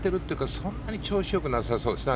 そんなに調子良くなさそうですよね。